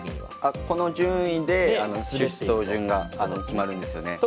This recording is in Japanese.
この順位で出走順が決まるんですね。